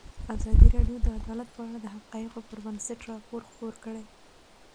ازادي راډیو د عدالت په اړه د حقایقو پر بنسټ راپور خپور کړی.